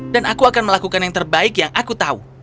dan aku akan melakukan yang terbaik yang aku tahu